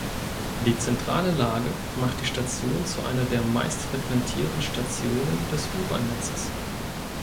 Die zentrale Lage macht die Station zu einer der meistfrequentierten Stationen des U-Bahn-Netzes.